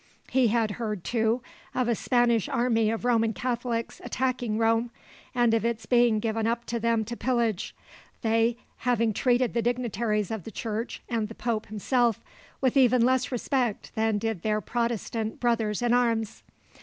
He had heard, too, of a Spanish army of Roman Catholics attacking Rome, and of its being given up to them to pillage, they having treated the dignitaries of the Church and the Pope himself with even less respect than did their Protestant brothers in arms.